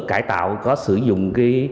cải tạo có sử dụng